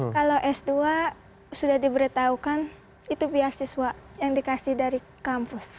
kalau s dua sudah diberitahukan itu beasiswa yang dikasih dari kampus